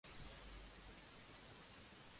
Resumen del arte Jeet Kune Do: "Crea tu propio estilo"